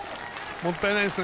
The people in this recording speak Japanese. もったいないですね。